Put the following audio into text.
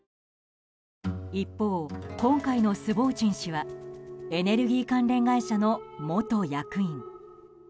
一方、今回のスボーチン氏はエネルギー関連会社の元役員。